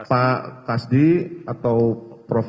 pak kasdi atau prof